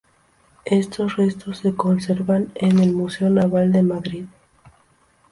Estos restos se conservan en el Museo Naval de Madrid.